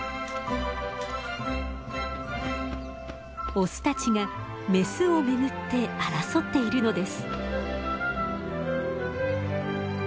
オスたちがメスを巡って争っているのです。